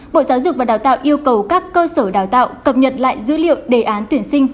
bộ giáo dục và đào tạo yêu cầu các cơ sở đào tạo cập nhật lại dữ liệu đề án tuyển sinh